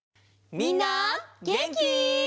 みんなげんき？